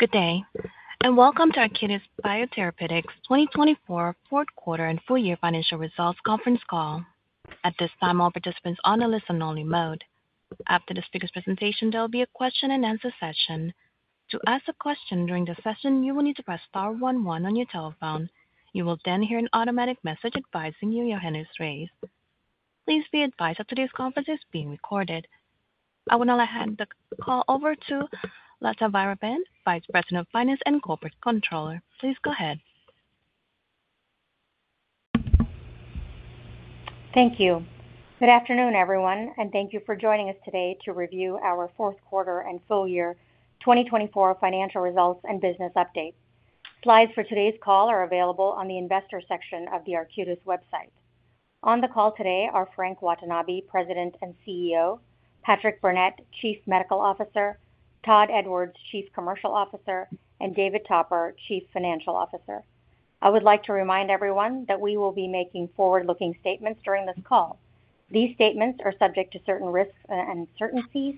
Good day, and welcome to Arcutis Biotherapeutics' 2024 Fourth Quarter and Full Year Financial Results Conference Call. At this time, all participants are on a listen-only mode. After the speakers' presentation, there will be a question and answer session. To ask a question during the session, you will need to press star one one on your telephone. You will then hear an automatic message advising you your hand is raised. Please be advised that today's conference is being recorded. I will now hand the call over to Latha Vairavan, Vice President of Finance and Corporate Controller. Please go ahead. Thank you. Good afternoon, everyone, and thank you for joining us today to review our fourth quarter and full year 2024 financial results and business update. Slides for today's call are available on the investor section of the Arcutis website. On the call today are Frank Watanabe, President and CEO, Patrick Burnett, Chief Medical Officer, Todd Edwards, Chief Commercial Officer, and David Topper, Chief Financial Officer. I would like to remind everyone that we will be making forward-looking statements during this call. These statements are subject to certain risks and uncertainties,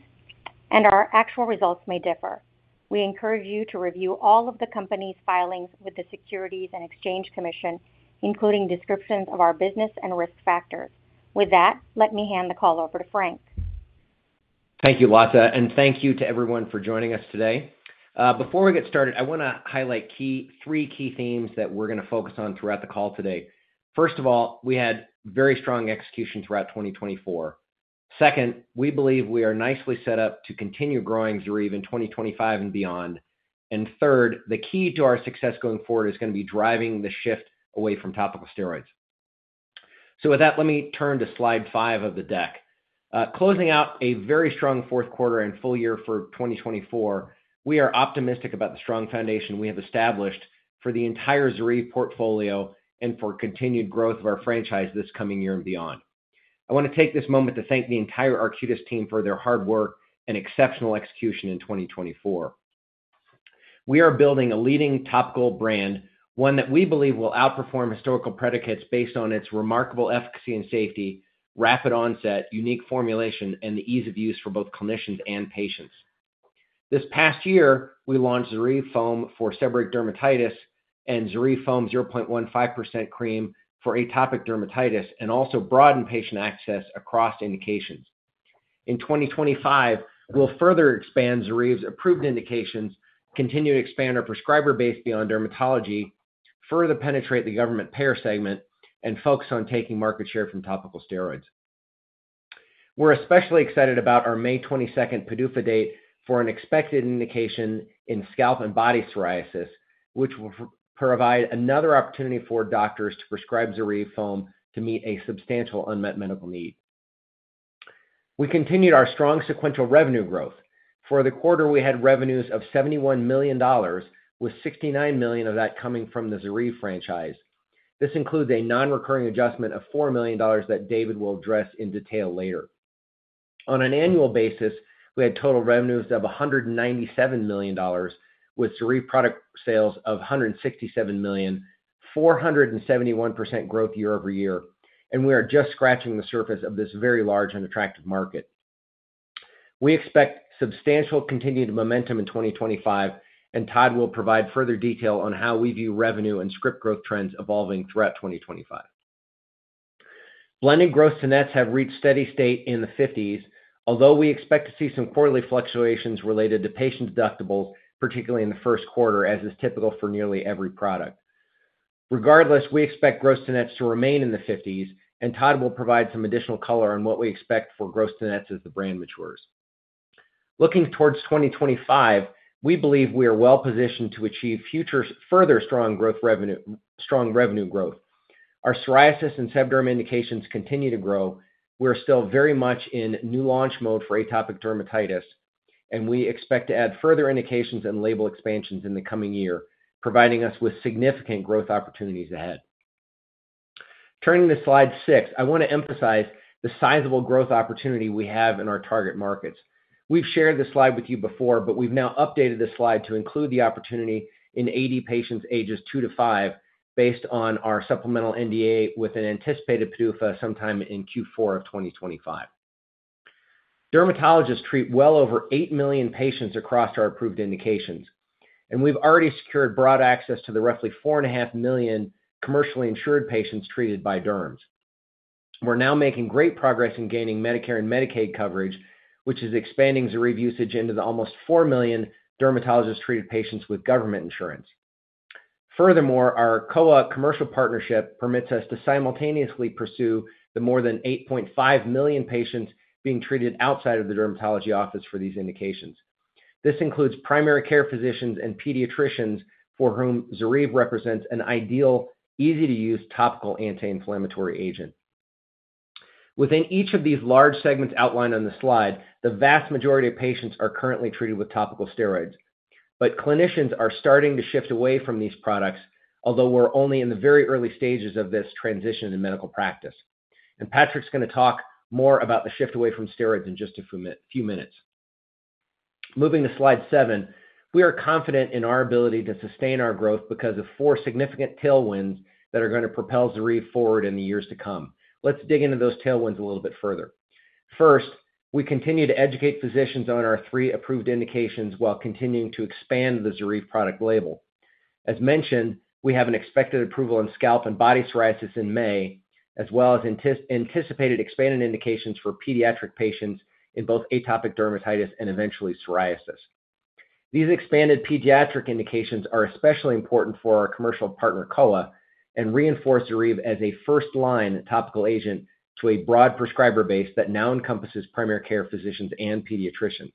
and our actual results may differ. We encourage you to review all of the company's filings with the Securities and Exchange Commission, including descriptions of our business and risk factors. With that, let me hand the call over to Frank. Thank you, Latha, and thank you to everyone for joining us today. Before we get started, I want to highlight three key themes that we're going to focus on throughout the call today. First of all, we had very strong execution throughout 2024. Second, we believe we are nicely set up to continue growing through even 2025 and beyond. And third, the key to our success going forward is going to be driving the shift away from topical steroids. So with that, let me turn to slide five of the deck. Closing out a very strong fourth quarter and full year for 2024, we are optimistic about the strong foundation we have established for the entire ZORYVE portfolio and for continued growth of our franchise this coming year and beyond. I want to take this moment to thank the entire Arcutis team for their hard work and exceptional execution in 2024. We are building a leading topical brand, one that we believe will outperform historical predicates based on its remarkable efficacy and safety, rapid onset, unique formulation, and the ease of use for both clinicians and patients. This past year, we launched ZORYVE foam for seborrheic dermatitis and ZORYVE 0.15% cream for atopic dermatitis and also broadened patient access across indications. In 2025, we'll further expand ZORYVE's approved indications, continue to expand our prescriber base beyond dermatology, further penetrate the government payer segment, and focus on taking market share from topical steroids. We're especially excited about our May 22nd PDUFA date for an expected indication in scalp and body psoriasis, which will provide another opportunity for doctors to prescribe ZORYVE foam to meet a substantial unmet medical need. We continued our strong sequential revenue growth. For the quarter, we had revenues of $71 million, with $69 million of that coming from the ZORYVE franchise. This includes a non-recurring adjustment of $4 million that David will address in detail later. On an annual basis, we had total revenues of $197 million, with ZORYVE product sales of $167 million, 471% growth year-over-year, and we are just scratching the surface of this very large and attractive market. We expect substantial continued momentum in 2025, and Todd will provide further detail on how we view revenue and script growth trends evolving throughout 2025. Blended gross-to-net have reached steady state in the 50s, although we expect to see some quarterly fluctuations related to patient deductibles, particularly in the first quarter, as is typical for nearly every product. Regardless, we expect gross-to-net to remain in the 50s, and Todd will provide some additional color on what we expect for gross-to-net as the brand matures. Looking towards 2025, we believe we are well positioned to achieve future further strong revenue growth. Our psoriasis and seborrheic dermatitis indications continue to grow. We are still very much in new launch mode for atopic dermatitis, and we expect to add further indications and label expansions in the coming year, providing us with significant growth opportunities ahead. Turning to slide six, I want to emphasize the sizable growth opportunity we have in our target markets. We've shared this slide with you before, but we've now updated this slide to include the opportunity in AD patients ages 2-5 based on our supplemental NDA with an anticipated PDUFA sometime in Q4 of 2025. Dermatologists treat well over 8 million patients across our approved indications, and we've already secured broad access to the roughly 4.5 million commercially insured patients treated by derms. We're now making great progress in gaining Medicare and Medicaid coverage, which is expanding ZORYVE usage into the almost 4 million dermatologists treated patients with government insurance. Furthermore, our co-op commercial partnership permits us to simultaneously pursue the more than 8.5 million patients being treated outside of the dermatology office for these indications. This includes primary care physicians and pediatricians for whom ZORYVE represents an ideal, easy-to-use topical anti-inflammatory agent. Within each of these large segments outlined on the slide, the vast majority of patients are currently treated with topical steroids, but clinicians are starting to shift away from these products, although we're only in the very early stages of this transition in medical practice. And Patrick's going to talk more about the shift away from steroids in just a few minutes. Moving to slide seven, we are confident in our ability to sustain our growth because of four significant tailwinds that are going to propel ZORYVE forward in the years to come. Let's dig into those tailwinds a little bit further. First, we continue to educate physicians on our three approved indications while continuing to expand the ZORYVE product label. As mentioned, we have an expected approval on scalp and body psoriasis in May, as well as anticipated expanded indications for pediatric patients in both atopic dermatitis and eventually psoriasis. These expanded pediatric indications are especially important for our commercial partner, Kowa, and reinforce ZORYVE as a first-line topical agent to a broad prescriber base that now encompasses primary care physicians and pediatricians.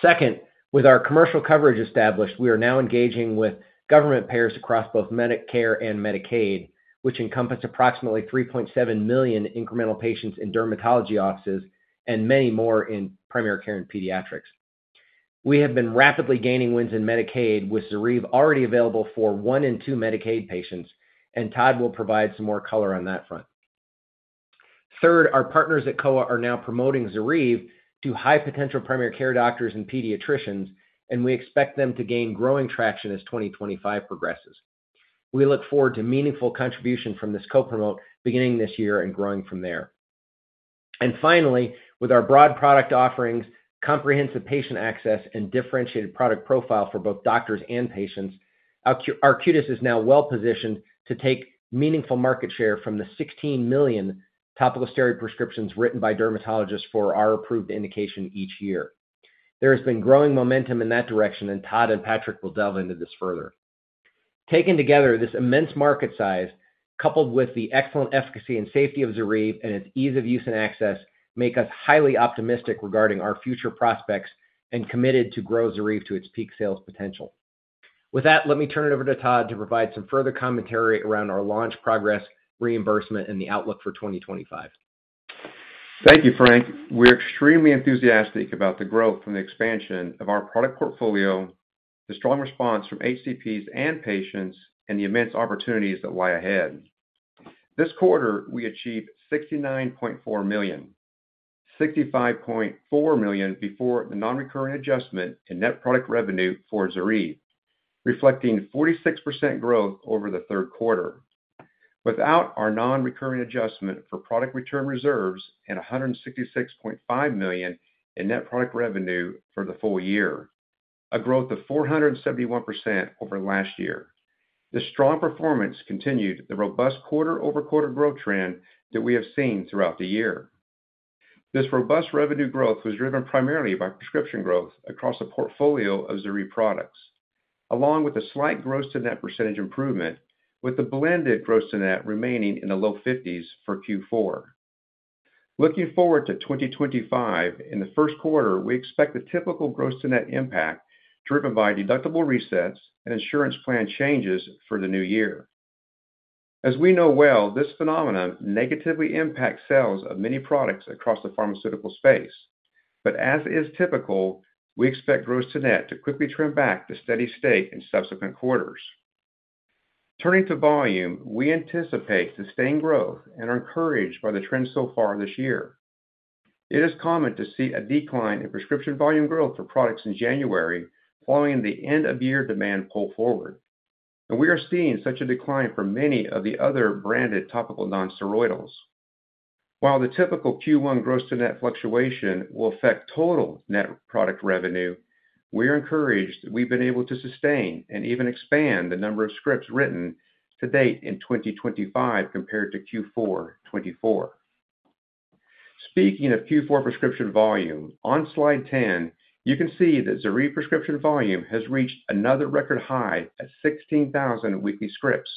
Second, with our commercial coverage established, we are now engaging with government payers across both Medicare and Medicaid, which encompass approximately 3.7 million incremental patients in dermatology offices and many more in primary care and pediatrics. We have been rapidly gaining wins in Medicaid, with ZORYVE already available for one in two Medicaid patients, and Todd will provide some more color on that front. Third, our partners at Kowa are now promoting ZORYVE to high-potential primary care doctors and pediatricians, and we expect them to gain growing traction as 2025 progresses. We look forward to meaningful contribution from this co-promote beginning this year and growing from there. And finally, with our broad product offerings, comprehensive patient access, and differentiated product profile for both doctors and patients, Arcutis is now well positioned to take meaningful market share from the 16 million topical steroid prescriptions written by dermatologists for our approved indication each year. There has been growing momentum in that direction, and Todd and Patrick will delve into this further. Taken together, this immense market size, coupled with the excellent efficacy and safety of ZORYVE and its ease of use and access, make us highly optimistic regarding our future prospects and committed to grow ZORYVE to its peak sales potential. With that, let me turn it over to Todd to provide some further commentary around our launch progress, reimbursement, and the outlook for 2025. Thank you, Frank. We're extremely enthusiastic about the growth from the expansion of our product portfolio, the strong response from HCPs and patients, and the immense opportunities that lie ahead. This quarter, we achieved $69.4 million, $65.4 million before the non-recurring adjustment in net product revenue for ZORYVE, reflecting 46% growth over the third quarter. Without our non-recurring adjustment for product return reserves and $166.5 million in net product revenue for the full year, a growth of 471% over last year. This strong performance continued the robust quarter-over-quarter growth trend that we have seen throughout the year. This robust revenue growth was driven primarily by prescription growth across the portfolio of ZORYVE products, along with a slight gross-to-net percentage improvement, with the blended gross-to-net remaining in the low 50s for Q4. Looking forward to 2025, in the first quarter, we expect the typical gross-to-net impact driven by deductible resets and insurance plan changes for the new year. As we know well, this phenomenon negatively impacts sales of many products across the pharmaceutical space, but as is typical, we expect gross-to-net to quickly trim back to steady state in subsequent quarters. Turning to volume, we anticipate sustained growth and are encouraged by the trend so far this year. It is common to see a decline in prescription volume growth for products in January following the end-of-year demand pull forward, and we are seeing such a decline for many of the other branded topical nonsteroidals. While the typical Q1 gross-to-net fluctuation will affect total net product revenue, we are encouraged that we've been able to sustain and even expand the number of scripts written to date in 2025 compared to Q4 2024. Speaking of Q4 prescription volume, on slide 10, you can see that ZORYVE prescription volume has reached another record high at 16,000 weekly scripts.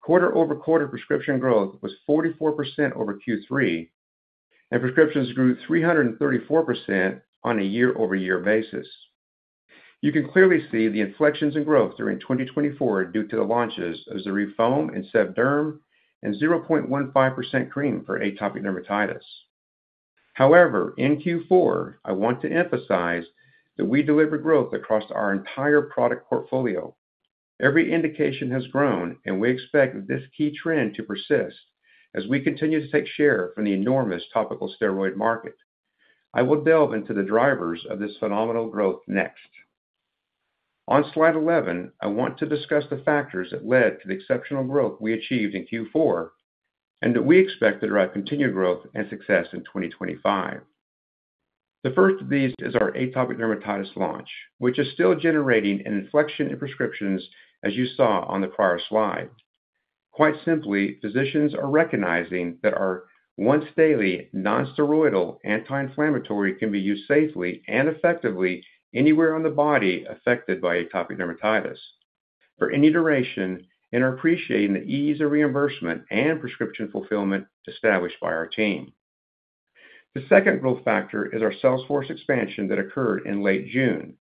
Quarter-over-quarter prescription growth was 44% over Q3, and prescriptions grew 334% on a year-over-year basis. You can clearly see the inflections in growth during 2024 due to the launches of ZORYVE foam in seb derm and 0.15% cream for atopic dermatitis. However, in Q4, I want to emphasize that we delivered growth across our entire product portfolio. Every indication has grown, and we expect this key trend to persist as we continue to take share from the enormous topical steroid market. I will delve into the drivers of this phenomenal growth next. On slide 11, I want to discuss the factors that led to the exceptional growth we achieved in Q4 and that we expect to drive continued growth and success in 2025. The first of these is our atopic dermatitis launch, which is still generating an inflection in prescriptions as you saw on the prior slide. Quite simply, physicians are recognizing that our once-daily nonsteroidal anti-inflammatory can be used safely and effectively anywhere on the body affected by atopic dermatitis for any duration and are appreciating the ease of reimbursement and prescription fulfillment established by our team. The second growth factor is our sales force expansion that occurred in late June,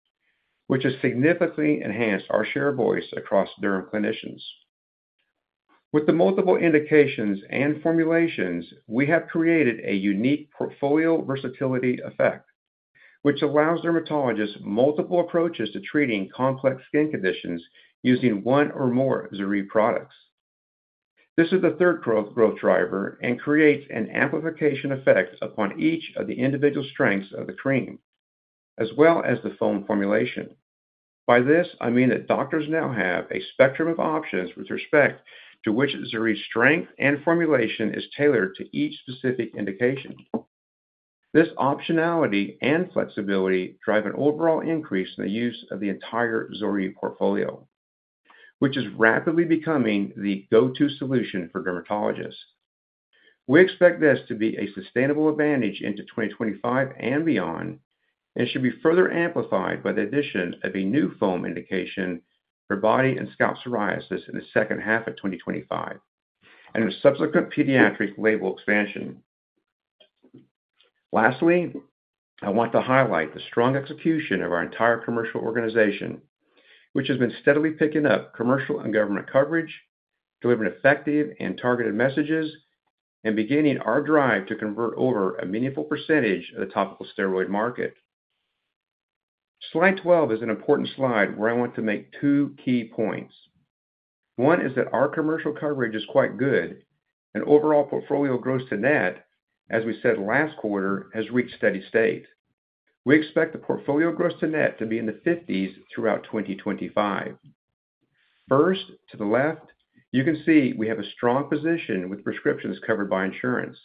which has significantly enhanced our share of voice across derm clinicians. With the multiple indications and formulations, we have created a unique portfolio versatility effect, which allows dermatologists multiple approaches to treating complex skin conditions using one or more ZORYVE products. This is the third growth driver and creates an amplification effect upon each of the individual strengths of the cream, as well as the foam formulation. By this, I mean that doctors now have a spectrum of options with respect to which ZORYVE's strength and formulation is tailored to each specific indication. This optionality and flexibility drive an overall increase in the use of the entire ZORYVE portfolio, which is rapidly becoming the go-to solution for dermatologists. We expect this to be a sustainable advantage into 2025 and beyond and should be further amplified by the addition of a new foam indication for body and scalp psoriasis in the second half of 2025 and a subsequent pediatric label expansion. Lastly, I want to highlight the strong execution of our entire commercial organization, which has been steadily picking up commercial and government coverage, delivering effective and targeted messages, and beginning our drive to convert over a meaningful percentage of the topical steroid market. Slide 12 is an important slide where I want to make two key points. One is that our commercial coverage is quite good, and overall portfolio gross-to-net, as we said last quarter, has reached steady state. We expect the portfolio gross-to-net to be in the 50s throughout 2025. First, to the left, you can see we have a strong position with prescriptions covered by insurance.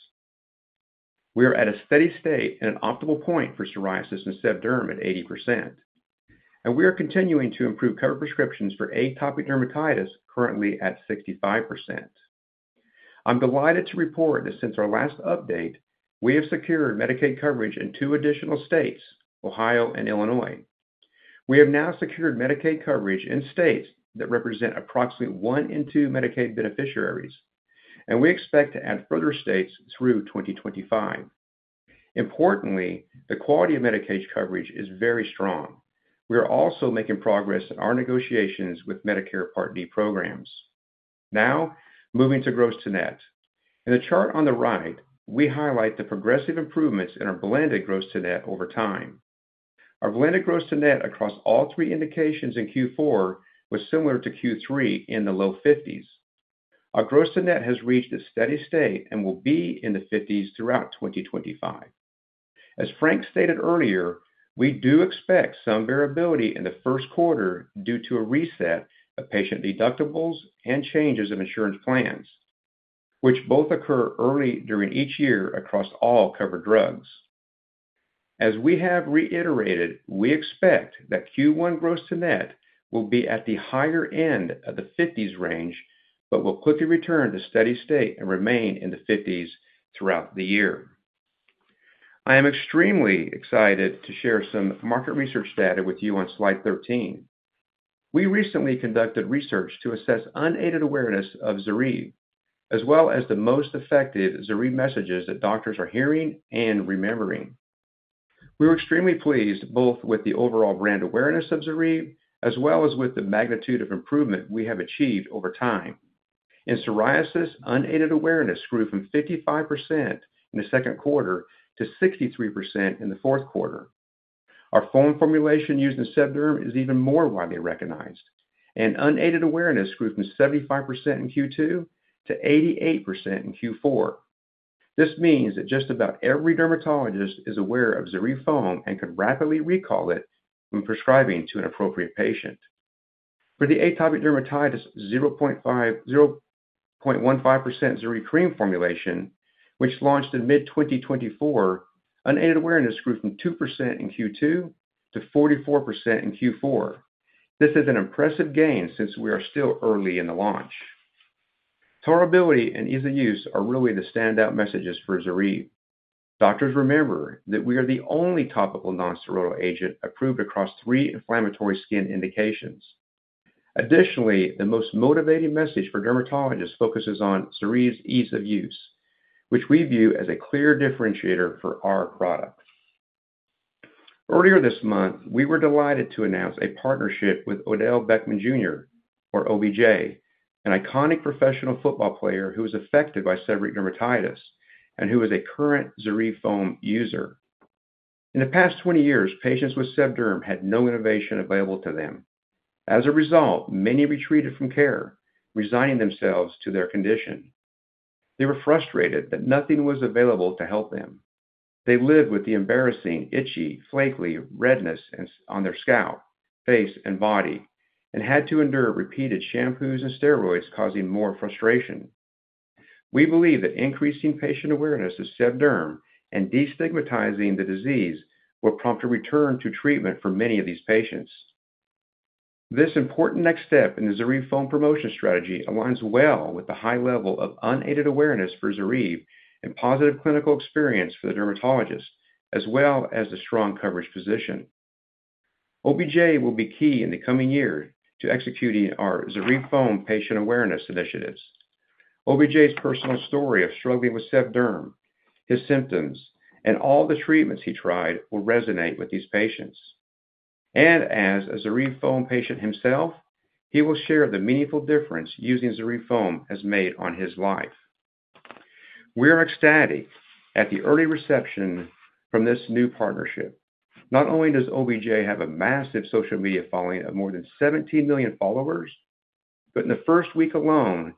We are at a steady state and an optimal point for psoriasis and seb derm at 80%, and we are continuing to improve cover prescriptions for atopic dermatitis currently at 65%. I'm delighted to report that since our last update, we have secured Medicaid coverage in two additional states, Ohio and Illinois. We have now secured Medicaid coverage in states that represent approximately one in two Medicaid beneficiaries, and we expect to add further states through 2025. Importantly, the quality of Medicaid coverage is very strong. We are also making progress in our negotiations with Medicare Part D programs. Now, moving to gross-to-net. In the chart on the right, we highlight the progressive improvements in our blended gross-to-net over time. Our blended gross-to-net across all three indications in Q4 was similar to Q3 in the low 50s. Our gross-to-net has reached a steady state and will be in the 50s throughout 2025. As Frank stated earlier, we do expect some variability in the first quarter due to a reset of patient deductibles and changes of insurance plans, which both occur early during each year across all covered drugs. As we have reiterated, we expect that Q1 gross-to-net will be at the higher end of the 50s range, but will quickly return to steady state and remain in the 50s throughout the year. I am extremely excited to share some market research data with you on slide 13. We recently conducted research to assess unaided awareness of ZORYVE, as well as the most effective ZORYVE messages that doctors are hearing and remembering. We were extremely pleased both with the overall brand awareness of ZORYVE, as well as with the magnitude of improvement we have achieved over time. In psoriasis, unaided awareness grew from 55% in the second quarter to 63% in the fourth quarter. Our foam formulation used in seb derm is even more widely recognized, and unaided awareness grew from 75% in Q2 to 88% in Q4. This means that just about every dermatologist is aware of ZORYVE foam and can rapidly recall it when prescribing to an appropriate patient. For the atopic dermatitis 0.15% ZORYVE cream formulation, which launched in mid-2024, unaided awareness grew from 2% in Q2 to 44% in Q4. This is an impressive gain since we are still early in the launch. Tolerability and ease of use are really the standout messages for ZORYVE. Doctors remember that we are the only topical nonsteroidal agent approved across three inflammatory skin indications. Additionally, the most motivating message for dermatologists focuses on ZORYVE's ease of use, which we view as a clear differentiator for our product. Earlier this month, we were delighted to announce a partnership with Odell Beckham Jr., or OBJ, an iconic professional football player who was affected by seborrheic dermatitis and who is a current ZORYVE foam user. In the past 20 years, patients with seb derm had no innovation available to them. As a result, many retreated from care, resigning themselves to their condition. They were frustrated that nothing was available to help them. They lived with the embarrassing, itchy, flaky redness on their scalp, face, and body, and had to endure repeated shampoos and steroids, causing more frustration. We believe that increasing patient awareness of seb derm and destigmatizing the disease will prompt a return to treatment for many of these patients. This important next step in the ZORYVE foam promotion strategy aligns well with the high level of unaided awareness for ZORYVE and positive clinical experience for the dermatologists, as well as the strong coverage position. OBJ will be key in the coming year to executing our ZORYVE foam patient awareness initiatives. OBJ's personal story of struggling with seb derm, his symptoms, and all the treatments he tried will resonate with these patients. And as a ZORYVE foam patient himself, he will share the meaningful difference using ZORYVE foam has made on his life. We are ecstatic at the early reception from this new partnership. Not only does OBJ have a massive social media following of more than 17 million followers, but in the first week alone,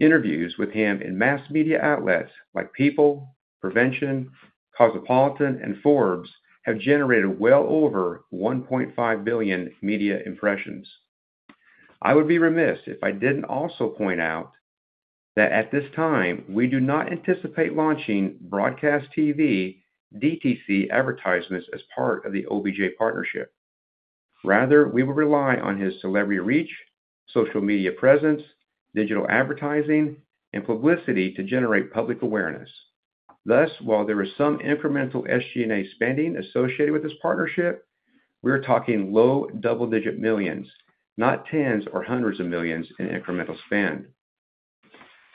interviews with him in mass media outlets like People, Prevention, Cosmopolitan, and Forbes have generated well over 1.5 billion media impressions. I would be remiss if I didn't also point out that at this time, we do not anticipate launching broadcast TV DTC advertisements as part of the OBJ partnership. Rather, we will rely on his celebrity reach, social media presence, digital advertising, and publicity to generate public awareness. Thus, while there is some incremental SG&A spending associated with this partnership, we are talking low double-digit millions, not tens or hundreds of millions in incremental spend.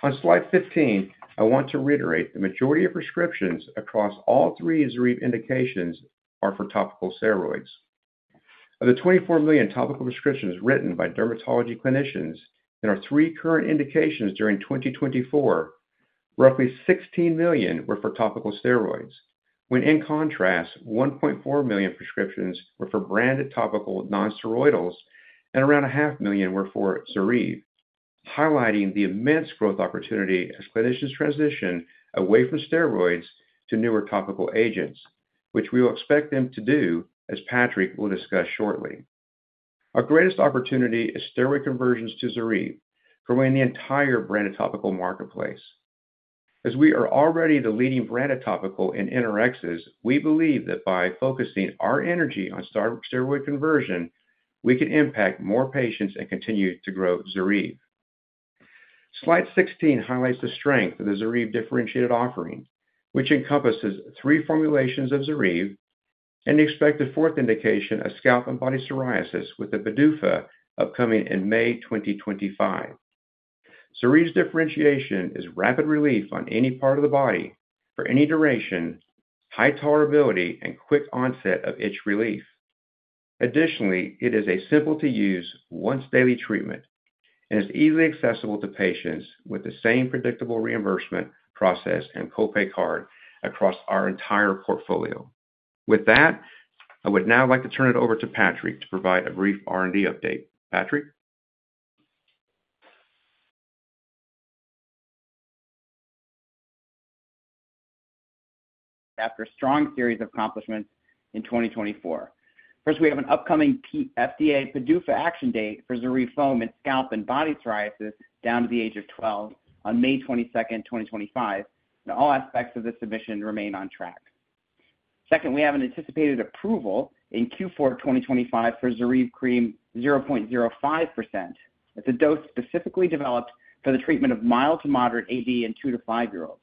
On slide 15, I want to reiterate the majority of prescriptions across all three ZORYVE indications are for topical steroids. Of the 24 million topical prescriptions written by dermatology clinicians in our three current indications during 2024, roughly 16 million were for topical steroids. When in contrast, 1.4 million prescriptions were for branded topical nonsteroidals, and around 500,000 were for ZORYVE, highlighting the immense growth opportunity as clinicians transition away from steroids to newer topical agents, which we will expect them to do, as Patrick will discuss shortly. Our greatest opportunity is steroid conversions to ZORYVE for winning the entire branded topical marketplace. As we are already the leading branded topical in NRxs, we believe that by focusing our energy on steroid conversion, we can impact more patients and continue to grow ZORYVE. Slide 16 highlights the strength of the ZORYVE differentiated offering, which encompasses three formulations of ZORYVE and the expected fourth indication of scalp and body psoriasis with PDUFA upcoming in May 2025. ZORYVE's differentiation is rapid relief on any part of the body for any duration, high tolerability, and quick onset of itch relief. Additionally, it is a simple-to-use, once-daily treatment and is easily accessible to patients with the same predictable reimbursement process and copay card across our entire portfolio. With that, I would now like to turn it over to Patrick to provide a brief R&D update. Patrick? After a strong series of accomplishments in 2024, first, we have an upcoming FDA PDUFA action date for ZORYVE foam in scalp and body psoriasis down to the age of 12 on May 22nd, 2025, and all aspects of this submission remain on track. Second, we have an anticipated approval in Q4 2025 for ZORYVE cream 0.05%. It's a dose specifically developed for the treatment of mild to moderate AD in two to five-year-olds.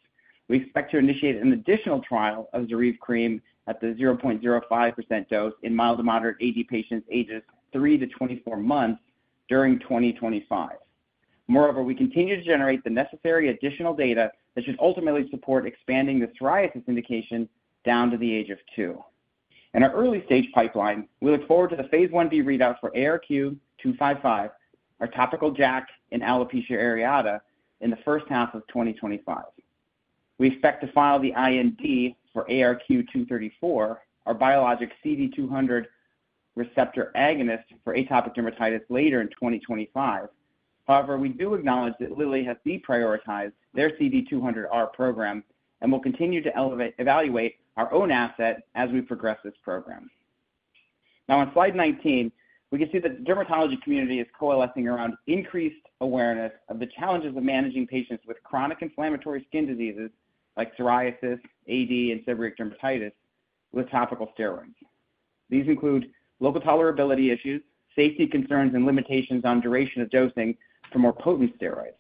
We expect to initiate an additional trial of ZORYVE cream at the 0.05% dose in mild to moderate AD patients ages 3-24 months during 2025. Moreover, we continue to generate the necessary additional data that should ultimately support expanding the psoriasis indication down to the age of two. In our early-stage pipeline, we look forward to the phase I-B readout for ARQ-255, our topical JAK in alopecia areata, in the first half of 2025. We expect to file the IND for ARQ-234, our biologic CD200 receptor agonist for atopic dermatitis later in 2025. However, we do acknowledge that Lilly has deprioritized their CD200R program and will continue to evaluate our own asset as we progress this program. Now, on slide 19, we can see that the dermatology community is coalescing around increased awareness of the challenges of managing patients with chronic inflammatory skin diseases like psoriasis, AD, and seborrheic dermatitis with topical steroids. These include local tolerability issues, safety concerns, and limitations on duration of dosing for more potent steroids.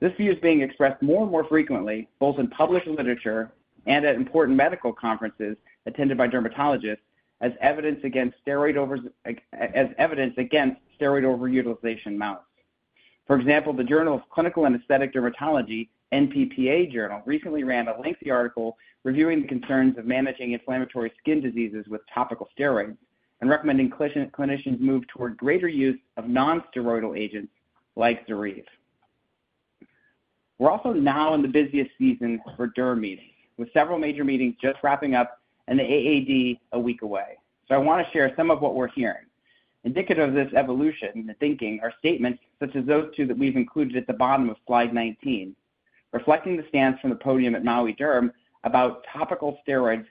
This view is being expressed more and more frequently, both in published literature and at important medical conferences attended by dermatologists, as evidence against steroid overutilization mounts. For example, the Journal of Clinical and Aesthetic Dermatology, JCAD journal, recently ran a lengthy article reviewing the concerns of managing inflammatory skin diseases with topical steroids and recommending clinicians move toward greater use of nonsteroidal agents like ZORYVE. We're also now in the busiest season for derm meetings, with several major meetings just wrapping up and the AAD a week away. So I want to share some of what we're hearing. Indicative of this evolution in the thinking are statements such as those two that we've included at the bottom of slide 19, reflecting the stance from the podium at Maui Derm about topical steroids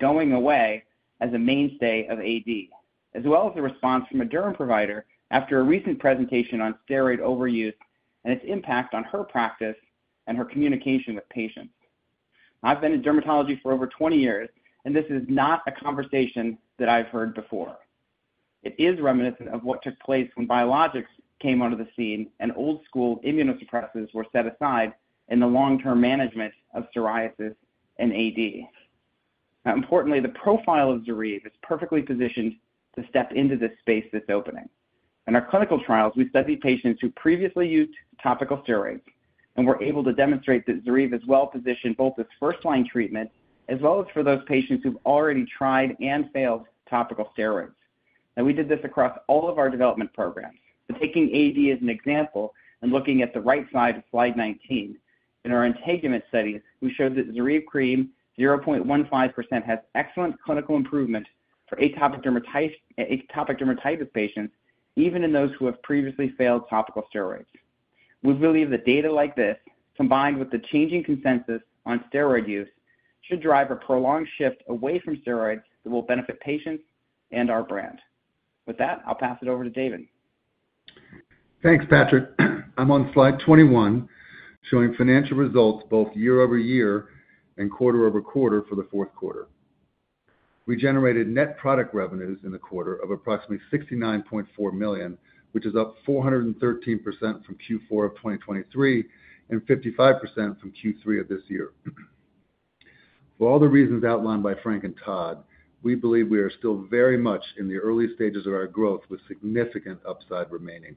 "going away" as a mainstay of AD, as well as the response from a derm provider after a recent presentation on steroid overuse and its impact on her practice and her communication with patients. I've been in dermatology for over 20 years, and this is not a conversation that I've heard before. It is reminiscent of what took place when biologics came onto the scene and old-school immunosuppressants were set aside in the long-term management of psoriasis and AD. Now, importantly, the profile of ZORYVE is perfectly positioned to step into this space this opening. In our clinical trials, we studied patients who previously used topical steroids and were able to demonstrate that ZORYVE is well-positioned both as first-line treatment as well as for those patients who've already tried and failed topical steroids, and we did this across all of our development programs. Taking AD as an example and looking at the right side of slide 19, in our INTEGUMENT studies, we showed that ZORYVE cream 0.15% has excellent clinical improvement for atopic dermatitis patients, even in those who have previously failed topical steroids. We believe that data like this, combined with the changing consensus on steroid use, should drive a prolonged shift away from steroids that will benefit patients and our brand. With that, I'll pass it over to David. Thanks, Patrick. I'm on slide 21, showing financial results both year-over-year and quarter-over-quarter for the fourth quarter. We generated net product revenues in the quarter of approximately $69.4 million, which is up 413% from Q4 of 2023 and 55% from Q3 of this year. For all the reasons outlined by Frank and Todd, we believe we are still very much in the early stages of our growth with significant upside remaining.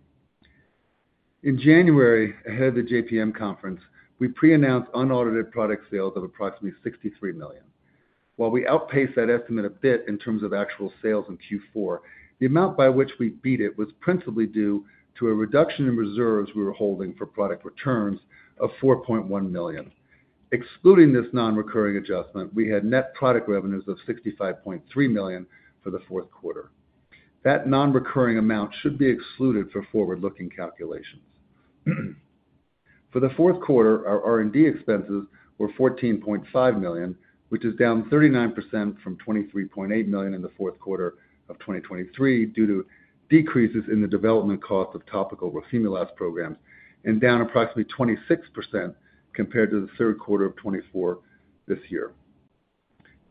In January, ahead of the JPM conference, we pre-announced unaudited product sales of approximately $63 million. While we outpaced that estimate a bit in terms of actual sales in Q4, the amount by which we beat it was principally due to a reduction in reserves we were holding for product returns of $4.1 million. Excluding this non-recurring adjustment, we had net product revenues of $65.3 million for the fourth quarter. That non-recurring amount should be excluded for forward-looking calculations. For the fourth quarter, our R&D expenses were $14.5 million, which is down 39% from $23.8 million in the fourth quarter of 2023 due to decreases in the development cost of topical roflumilast programs and down approximately 26% compared to the third quarter of 2024 this year.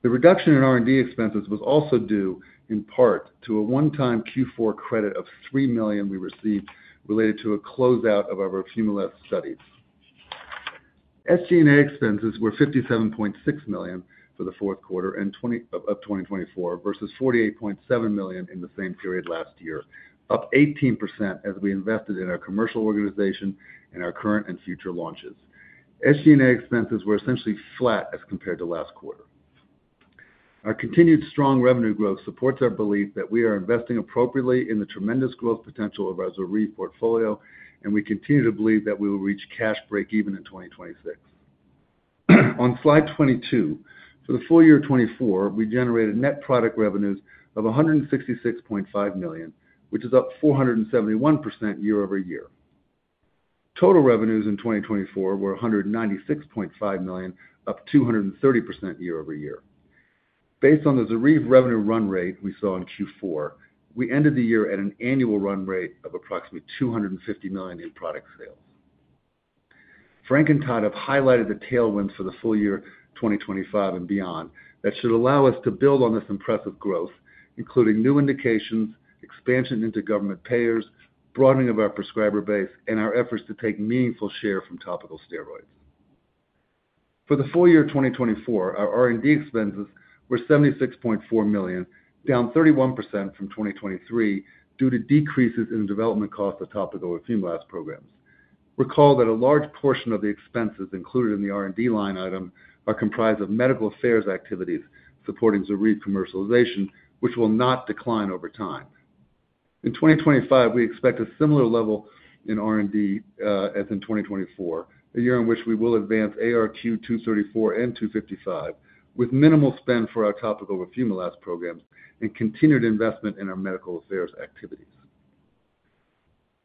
The reduction in R&D expenses was also due in part to a one-time Q4 credit of $3 million we received related to a closeout of our roflumilast studies. SG&A expenses were $57.6 million for the fourth quarter of 2024 versus $48.7 million in the same period last year, up 18% as we invested in our commercial organization and our current and future launches. SG&A expenses were essentially flat as compared to last quarter. Our continued strong revenue growth supports our belief that we are investing appropriately in the tremendous growth potential of our ZORYVE portfolio, and we continue to believe that we will reach cash break-even in 2026. On slide 22, for the full year 2024, we generated net product revenues of $166.5 million, which is up 471% year-over-year. Total revenues in 2024 were $196.5 million, up 230% year-over-year. Based on the ZORYVE revenue run rate we saw in Q4, we ended the year at an annual run rate of approximately $250 million in product sales. Frank and Todd have highlighted the tailwinds for the full year 2025 and beyond that should allow us to build on this impressive growth, including new indications, expansion into government payers, broadening of our prescriber base, and our efforts to take meaningful share from topical steroids. For the full year 2024, our R&D expenses were $76.4 million, down 31% from 2023 due to decreases in the development cost of topical roflumilast programs. Recall that a large portion of the expenses included in the R&D line item are comprised of medical affairs activities supporting ZORYVE commercialization, which will not decline over time. In 2025, we expect a similar level in R&D as in 2024, a year in which we will advance ARQ-234 and ARQ-255 with minimal spend for our topical roflumilast programs and continued investment in our medical affairs activities.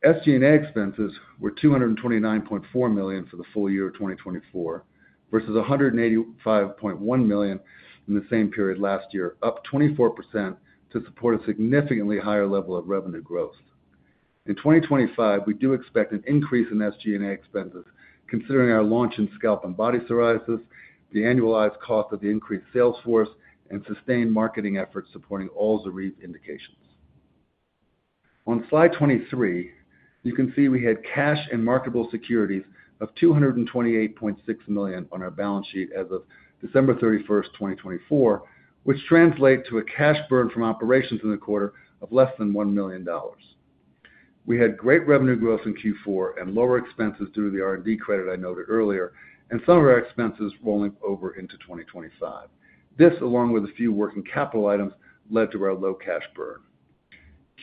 SG&A expenses were $229.4 million for the full year 2024 versus $185.1 million in the same period last year, up 24% to support a significantly higher level of revenue growth. In 2025, we do expect an increase in SG&A expenses considering our launch in scalp and body psoriasis, the annualized cost of the increased sales force, and sustained marketing efforts supporting all ZORYVE indications. On slide 23, you can see we had cash and marketable securities of $228.6 million on our balance sheet as of December 31st, 2024, which translates to a cash burn from operations in the quarter of less than $1 million. We had great revenue growth in Q4 and lower expenses due to the R&D credit I noted earlier, and some of our expenses rolling over into 2025. This, along with a few working capital items, led to our low cash burn.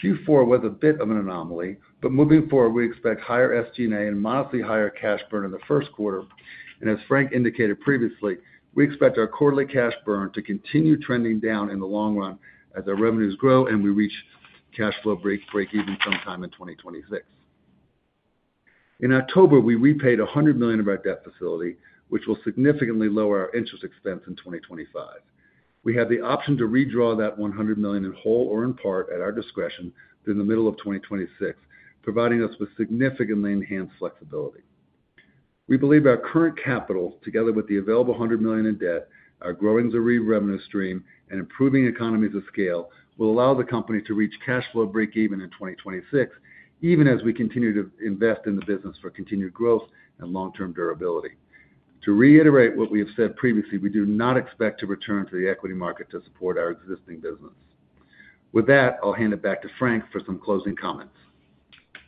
Q4 was a bit of an anomaly, but moving forward, we expect higher SG&A and modestly higher cash burn in the first quarter. As Frank indicated previously, we expect our quarterly cash burn to continue trending down in the long run as our revenues grow and we reach cash flow break-even sometime in 2026. In October, we repaid $100 million of our debt facility, which will significantly lower our interest expense in 2025. We have the option to redraw that $100 million in whole or in part at our discretion through the middle of 2026, providing us with significantly enhanced flexibility. We believe our current capital, together with the available $100 million in debt, our growing ZORYVE revenue stream, and improving economies of scale will allow the company to reach cash flow break-even in 2026, even as we continue to invest in the business for continued growth and long-term durability. To reiterate what we have said previously, we do not expect to return to the equity market to support our existing business. With that, I'll hand it back to Frank for some closing comments.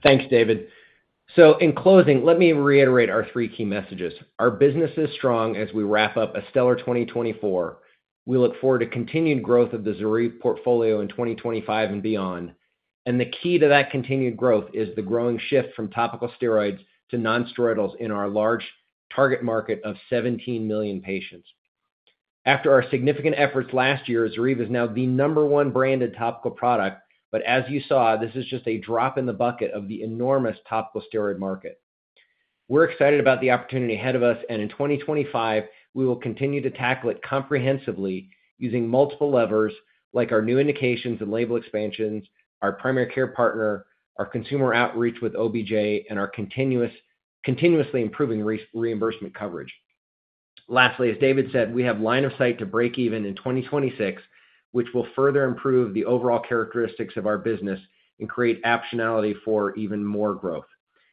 Thanks, David. So in closing, let me reiterate our three key messages. Our business is strong as we wrap up a stellar 2024. We look forward to continued growth of the ZORYVE portfolio in 2025 and beyond. And the key to that continued growth is the growing shift from topical steroids to nonsteroidals in our large target market of 17 million patients. After our significant efforts last year, ZORYVE is now the number one branded topical product, but as you saw, this is just a drop in the bucket of the enormous topical steroid market. We're excited about the opportunity ahead of us, and in 2025, we will continue to tackle it comprehensively using multiple levers like our new indications and label expansions, our primary care partner, our consumer outreach with OBJ, and our continuously improving reimbursement coverage. Lastly, as David said, we have line of sight to break-even in 2026, which will further improve the overall characteristics of our business and create optionality for even more growth.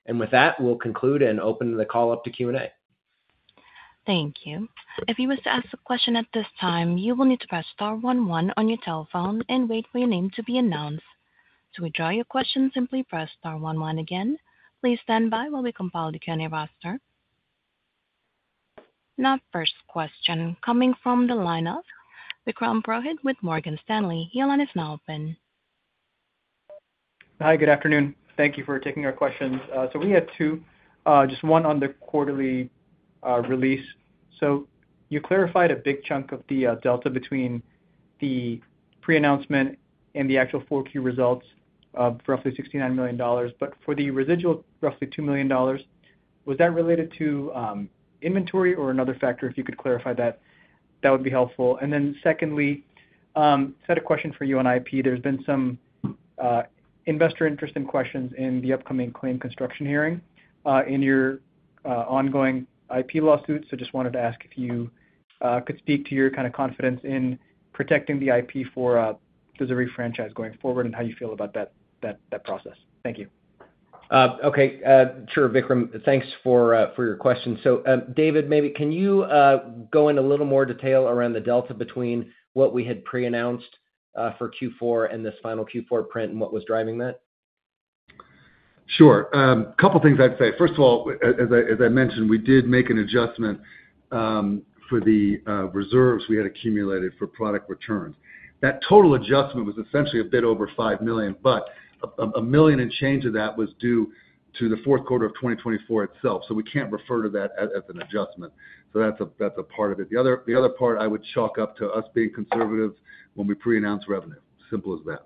And with that, we'll conclude and open the call up to Q&A. Thank you. If you wish to ask a question at this time, you will need to press star one one on your telephone and wait for your name to be announced. To withdraw your question, simply press star one one again. Please stand by while we compile the Q&A roster. Now, first question coming from the line of Vikram Purohit with Morgan Stanley. Your line is now open. Hi, good afternoon. Thank you for taking our questions. So we have two, just one on the quarterly release. So you clarified a big chunk of the delta between the pre-announcement and the actual Q4 results of roughly $69 million, but for the residual, roughly $2 million. Was that related to inventory or another factor? If you could clarify that, that would be helpful. And then secondly, I had a question for you on IP. There's been some investor interest in questions in the upcoming claim construction hearing in your ongoing IP lawsuit. So just wanted to ask if you could speak to your kind of confidence in protecting the IP for the ZORYVE franchise going forward and how you feel about that process. Thank you. Okay. Sure, Vikram. Thanks for your question. So David, maybe can you go into a little more detail around the delta between what we had pre-announced for Q4 and this final Q4 print and what was driving that? Sure. A couple of things I'd say. First of all, as I mentioned, we did make an adjustment for the reserves we had accumulated for product returns. That total adjustment was essentially a bit over $5 million, but $1 million and change of that was due to the fourth quarter of 2024 itself. So we can't refer to that as an adjustment. So that's a part of it. The other part I would chalk up to us being conservative when we pre-announced revenue. Simple as that.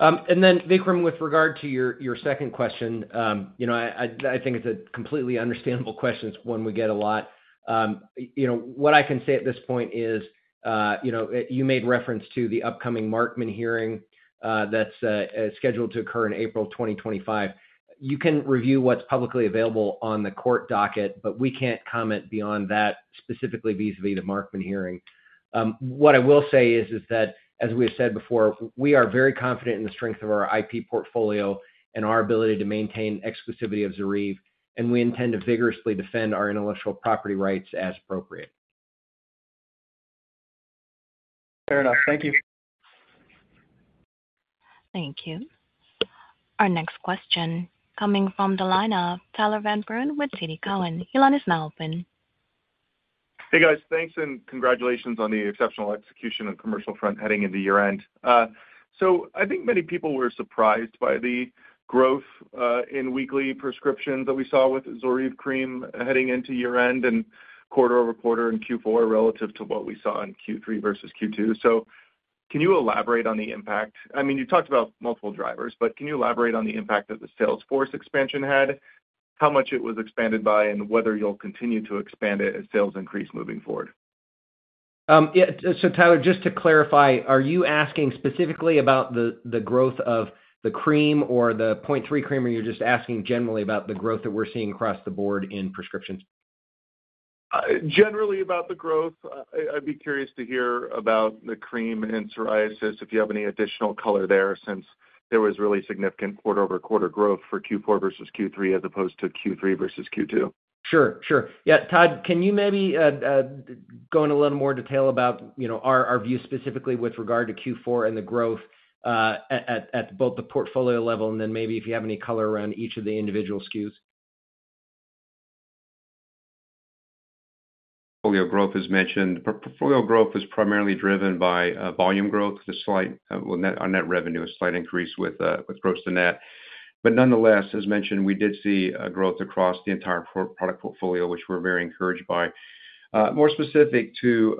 And then, Vikram, with regard to your second question, I think it's a completely understandable question. It's one we get a lot. What I can say at this point is you made reference to the upcoming Markman hearing that's scheduled to occur in April 2025. You can review what's publicly available on the court docket, but we can't comment beyond that specifically vis-à-vis the Markman hearing. What I will say is that, as we have said before, we are very confident in the strength of our IP portfolio and our ability to maintain exclusivity of ZORYVE, and we intend to vigorously defend our intellectual property rights as appropriate. Fair enough. Thank you. Thank you. Our next question coming from the line of Tyler Van Buren with TD Cowen. Your line is now open. Hey, guys. Thanks and congratulations on the exceptional execution on commercial front heading into year-end. So I think many people were surprised by the growth in weekly prescriptions that we saw with ZORYVE cream heading into year-end and quarter-over-quarter in Q4 relative to what we saw in Q3 versus Q2. So can you elaborate on the impact? I mean, you talked about multiple drivers, but can you elaborate on the impact that the sales force expansion had, how much it was expanded by, and whether you'll continue to expand it as sales increase moving forward? Yeah. So Tyler, just to clarify, are you asking specifically about the growth of the cream or the 0.3% cream, or are you just asking generally about the growth that we're seeing across the board in prescriptions? Generally about the growth. I'd be curious to hear about the cream and psoriasis if you have any additional color there since there was really significant quarter-over-quarter growth for Q4 versus Q3 as opposed to Q3 versus Q2. Sure. Sure. Yeah. Todd, can you maybe go into a little more detail about our view specifically with regard to Q4 and the growth at both the portfolio level and then maybe if you have any color around each of the individual SKUs? Portfolio growth, as mentioned. Portfolio growth is primarily driven by volume growth. Our net revenue is slight increase with gross-to-net. But nonetheless, as mentioned, we did see growth across the entire product portfolio, which we're very encouraged by. More specific to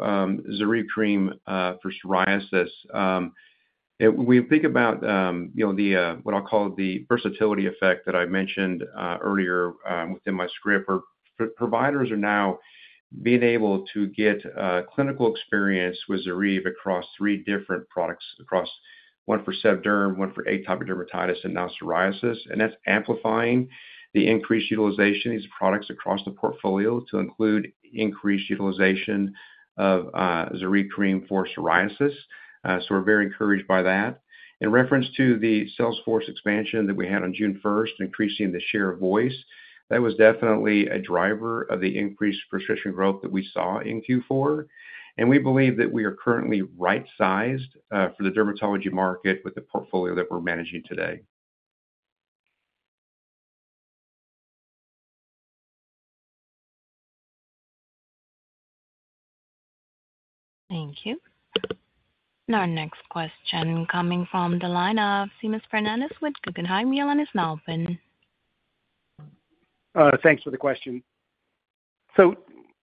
ZORYVE cream for psoriasis, we think about what I'll call the versatility effect that I mentioned earlier within my script. Our providers are now being able to get clinical experience with ZORYVE across three different products, one for sebderm, one for atopic dermatitis, and now psoriasis. That's amplifying the increased utilization of these products across the portfolio to include increased utilization of ZORYVE cream for psoriasis. So we're very encouraged by that. In reference to the sales force expansion that we had on June 1st, increasing the share of voice, that was definitely a driver of the increased prescription growth that we saw in Q4. And we believe that we are currently right-sized for the dermatology market with the portfolio that we're managing today. Thank you. Now, our next question coming from the line of Seamus Fernandez with Guggenheim. Your line is now open. Thanks for the question. So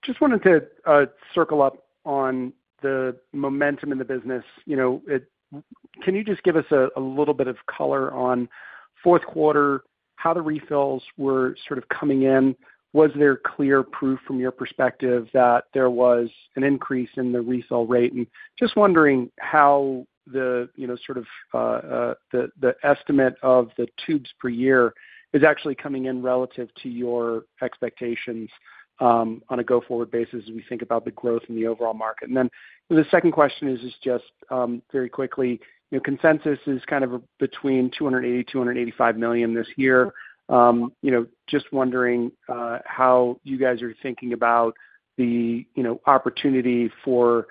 just wanted to circle up on the momentum in the business. Can you just give us a little bit of color on fourth quarter, how the refills were sort of coming in? Was there clear proof from your perspective that there was an increase in the refill rate? And just wondering how the sort of the estimate of the tubes per year is actually coming in relative to your expectations on a go-forward basis as we think about the growth in the overall market. And then the second question is just very quickly, consensus is kind of between $280 million-$285 million this year. Just wondering how you guys are thinking about the opportunity for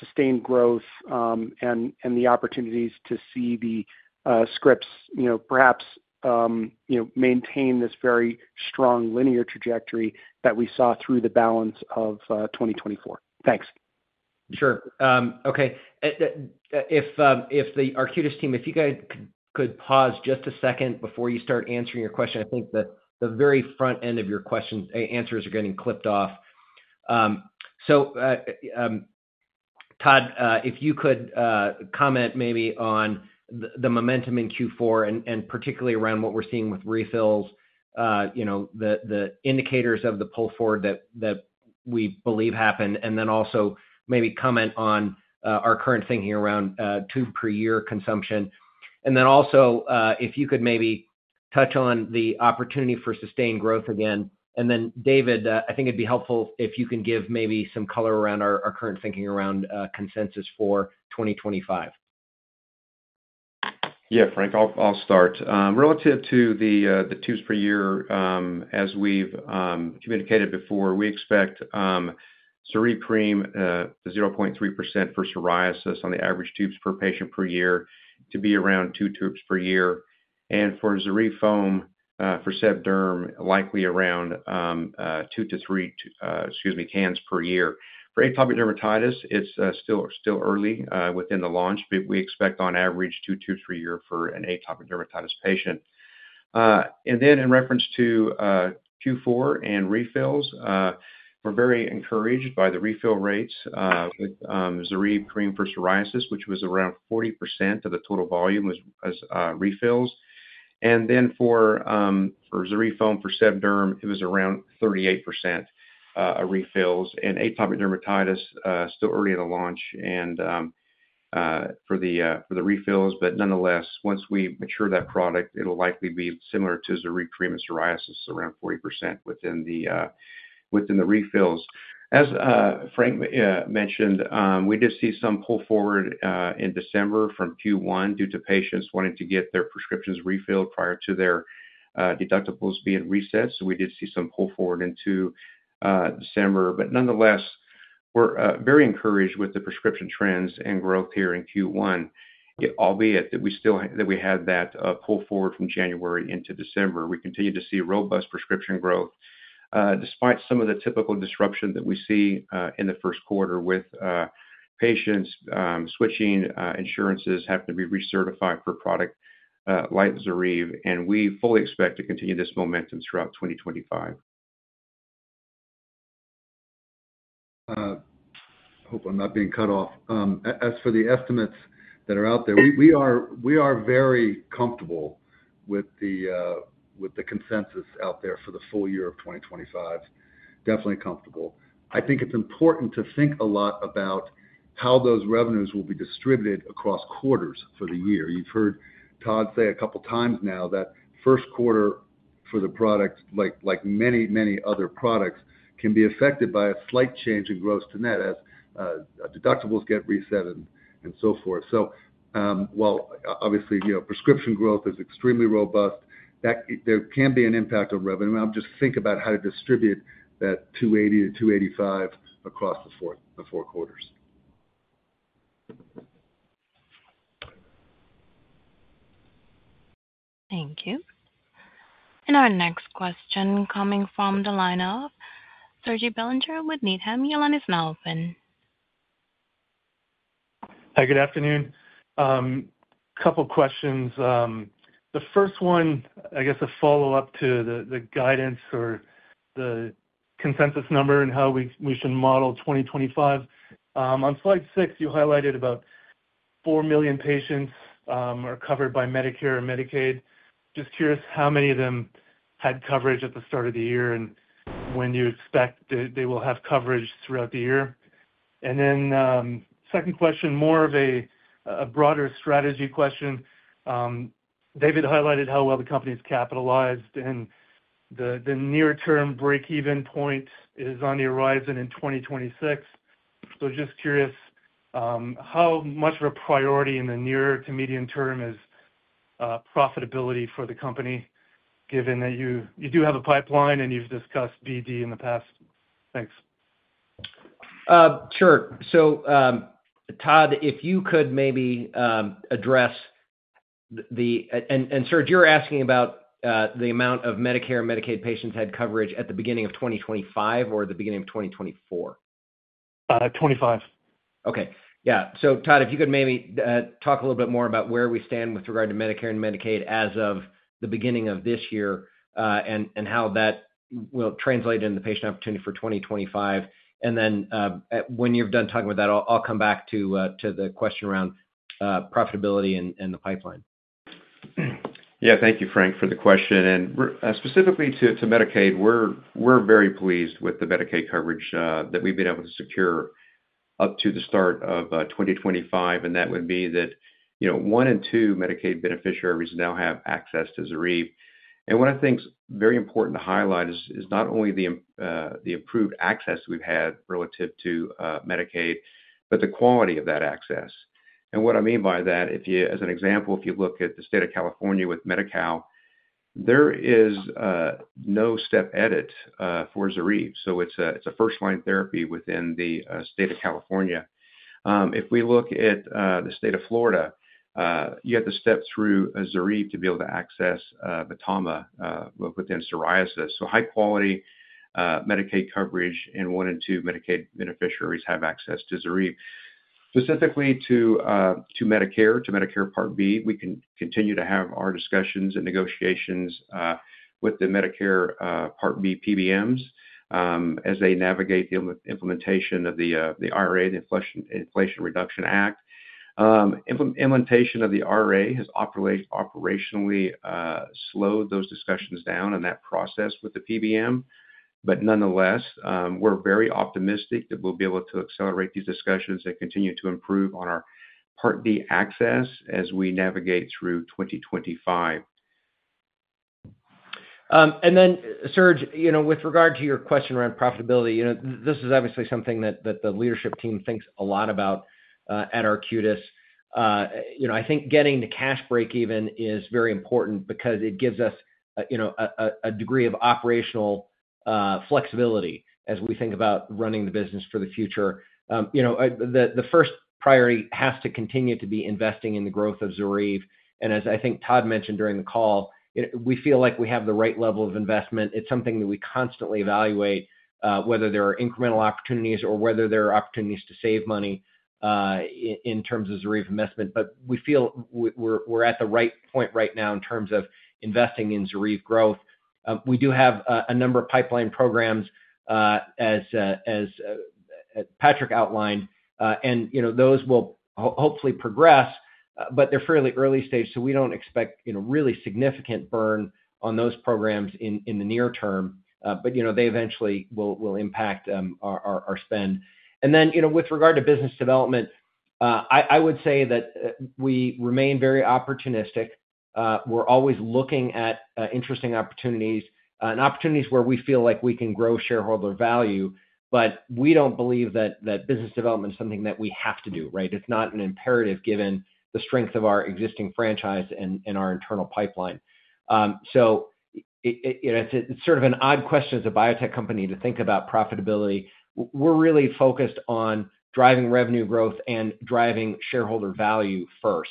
sustained growth and the opportunities to see the scripts perhaps maintain this very strong linear trajectory that we saw through the balance of 2024. Thanks. Sure. Okay. If the Arcutis team, if you guys could pause just a second before you start answering your question, I think the very front end of your question answers are getting clipped off. Todd, if you could comment maybe on the momentum in Q4 and particularly around what we're seeing with refills, the indicators of the pull forward that we believe happened, and then also maybe comment on our current thinking around tube per year consumption. And then also if you could maybe touch on the opportunity for sustained growth again. And then, David, I think it'd be helpful if you can give maybe some color around our current thinking around consensus for 2025. Yeah, Frank, I'll start. Relative to the tubes per year, as we've communicated before, we expect ZORYVE cream, the 0.3% for psoriasis on the average tubes per patient per year to be around two tubes per year. And for ZORYVE foam for seb derm, likely around two to three, excuse me, cans per year. For atopic dermatitis, it's still early within the launch, but we expect on average two tubes per year for an atopic dermatitis patient. And then in reference to Q4 and refills, we're very encouraged by the refill rates with ZORYVE cream for psoriasis, which was around 40% of the total volume as refills. And then for ZORYVE foam for seb derm, it was around 38% of refills. And atopic dermatitis, still early in the launch for the refills, but nonetheless, once we mature that product, it'll likely be similar to ZORYVE cream and psoriasis, around 40% within the refills. As Frank mentioned, we did see some pull forward in December from Q1 due to patients wanting to get their prescriptions refilled prior to their deductibles being reset. So we did see some pull forward into December. Nonetheless, we're very encouraged with the prescription trends and growth here in Q1, albeit that we still had that pull forward from January into December. We continue to see robust prescription growth despite some of the typical disruption that we see in the first quarter with patients switching insurances, having to be recertified for product like ZORYVE. We fully expect to continue this momentum throughout 2025. I hope I'm not being cut off. As for the estimates that are out there, we are very comfortable with the consensus out there for the full year of 2025. Definitely comfortable. I think it's important to think a lot about how those revenues will be distributed across quarters for the year. You've heard Todd say a couple of times now that first quarter for the product, like many, many other products, can be affected by a slight change in gross-to-net as deductibles get reset and so forth. So while obviously prescription growth is extremely robust, there can be an impact on revenue. I'm just thinking about how to distribute that $280-$285 across the four quarters. Thank you. Our next question coming from the line of Serge Belanger with Needham. Your line is now open. Hi, good afternoon. A couple of questions. The first one, I guess a follow-up to the guidance or the consensus number and how we should model 2025. On slide six, you highlighted about four million patients are covered by Medicare and Medicaid. Just curious how many of them had coverage at the start of the year and when you expect they will have coverage throughout the year? And then second question, more of a broader strategy question. David highlighted how well the company's capitalized and the near-term break-even point is on the horizon in 2026. So just curious how much of a priority in the near to medium term is profitability for the company, given that you do have a pipeline and you've discussed BD in the past. Thanks. Sure. So Todd, if you could maybe address the, and Serge, you're asking about the amount of Medicare and Medicaid patients had coverage at the beginning of 2025 or the beginning of 2024? 2025. Okay. Yeah. So, Todd, if you could maybe talk a little bit more about where we stand with regard to Medicare and Medicaid as of the beginning of this year and how that will translate into the patient opportunity for 2025. And then when you're done talking with that, I'll come back to the question around profitability and the pipeline. Yeah. Thank you, Frank, for the question. And specifically to Medicaid, we're very pleased with the Medicaid coverage that we've been able to secure up to the start of 2025. And that would be that one in two Medicaid beneficiaries now have access to ZORYVE. And one of the things very important to highlight is not only the improved access we've had relative to Medicaid, but the quality of that access. What I mean by that, as an example, if you look at the state of California with Medi-Cal, there is no step edit for ZORYVE. It's a first-line therapy within the state of California. If we look at the state of Florida, you have to step through ZORYVE to be able to access Vtama within psoriasis. High-quality Medicaid coverage and one in two Medicaid beneficiaries have access to ZORYVE. Specifically to Medicare, to Medicare Part B, we can continue to have our discussions and negotiations with the Medicare Part B PBMs as they navigate the implementation of the IRA, the Inflation Reduction Act. Implementation of the IRA has operationally slowed those discussions down and that process with the PBM. Nonetheless, we're very optimistic that we'll be able to accelerate these discussions and continue to improve on our Part B access as we navigate through 2025. Then, Serge, with regard to your question around profitability, this is obviously something that the leadership team thinks a lot about at Arcutis. I think getting the cash break even is very important because it gives us a degree of operational flexibility as we think about running the business for the future. The first priority has to continue to be investing in the growth of ZORYVE. And as I think Todd mentioned during the call, we feel like we have the right level of investment. It's something that we constantly evaluate, whether there are incremental opportunities or whether there are opportunities to save money in terms of ZORYVE investment. But we feel we're at the right point right now in terms of investing in ZORYVE growth. We do have a number of pipeline programs as Patrick outlined, and those will hopefully progress, but they're fairly early stage. So we don't expect really significant burn on those programs in the near term, but they eventually will impact our spend. And then with regard to business development, I would say that we remain very opportunistic. We're always looking at interesting opportunities and opportunities where we feel like we can grow shareholder value, but we don't believe that business development is something that we have to do, right? It's not an imperative given the strength of our existing franchise and our internal pipeline. So it's sort of an odd question as a biotech company to think about profitability. We're really focused on driving revenue growth and driving shareholder value first.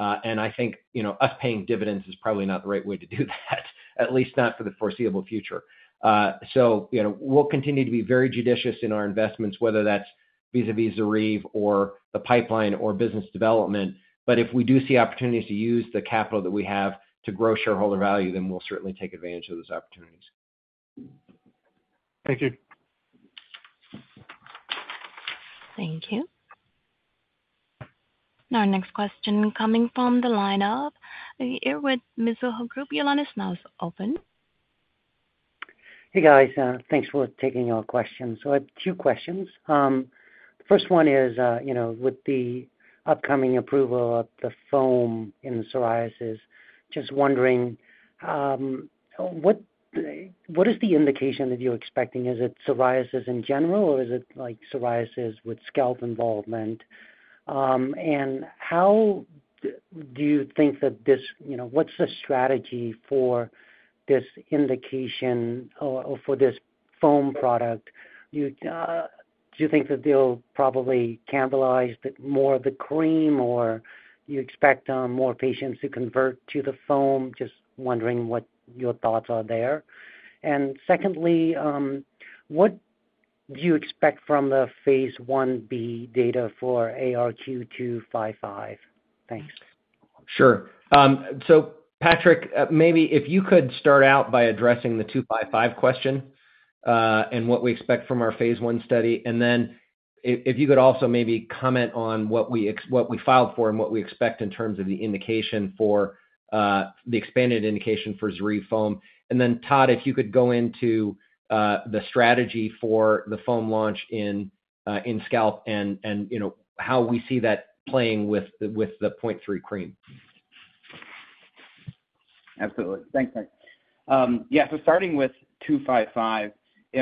And I think us paying dividends is probably not the right way to do that, at least not for the foreseeable future. So we'll continue to be very judicious in our investments, whether that's vis-à-vis ZORYVE or the pipeline or business development. But if we do see opportunities to use the capital that we have to grow shareholder value, then we'll certainly take advantage of those opportunities. Thank you. Thank you. Now, our next question coming from the line of Uy Ear with Mizuho Group. Your line is now open. Hey, guys. Thanks for taking our questions. So I have two questions. The first one is with the upcoming approval of the foam in psoriasis, just wondering, what is the indication that you're expecting? Is it psoriasis in general, or is it psoriasis with scalp involvement? And how do you think that this, you know, what's the strategy for this indication or for this foam product? Do you think that they'll probably cannibalize more of the cream, or do you expect more patients to convert to the foam? Just wondering what your thoughts are there. And secondly, what do you expect from the phase I-B data for ARQ-255? Thanks. Sure. So Patrick, maybe if you could start out by addressing the 255 question and what we expect from our phase I study, and then if you could also maybe comment on what we filed for and what we expect in terms of the expanded indication for ZORYVE foam. And then, Todd, if you could go into the strategy for the foam launch in scalp and how we see that playing with the 0.3% cream. Absolutely. Thanks, Frank. Yeah. So starting with 255,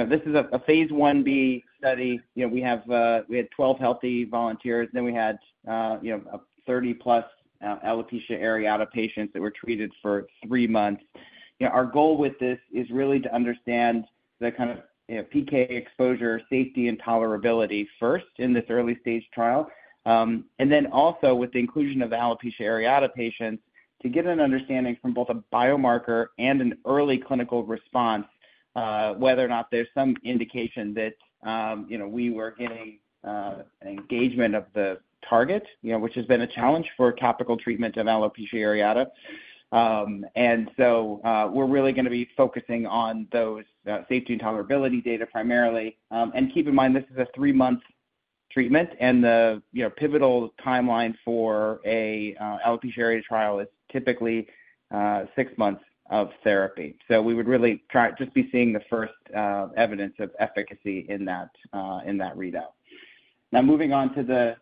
this is a phase I-B study. We had 12 healthy volunteers. Then we had 30-plus alopecia areata patients that were treated for three months. Our goal with this is really to understand the kind of PK exposure, safety, and tolerability first in this early-stage trial. And then also with the inclusion of the alopecia areata patients, to get an understanding from both a biomarker and an early clinical response, whether or not there's some indication that we were getting engagement of the target, which has been a challenge for topical treatment of alopecia areata. And so we're really going to be focusing on those safety and tolerability data primarily. And keep in mind, this is a three-month treatment, and the pivotal timeline for an alopecia areata trial is typically six months of therapy. So we would really just be seeing the first evidence of efficacy in that readout. Now, moving on to the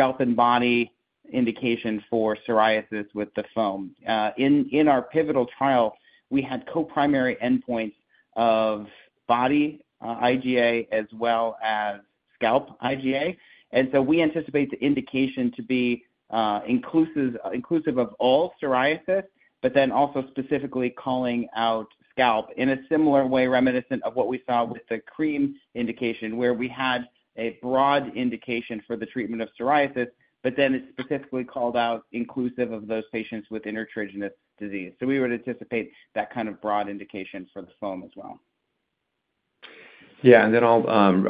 scalp and body indication for psoriasis with the foam. In our pivotal trial, we had co-primary endpoints of body IGA as well as scalp IGA, and so we anticipate the indication to be inclusive of all psoriasis, but then also specifically calling out scalp in a similar way reminiscent of what we saw with the cream indication, where we had a broad indication for the treatment of psoriasis, but then it specifically called out inclusive of those patients with intertriginous disease, so we would anticipate that kind of broad indication for the foam as well. Yeah, and then I'll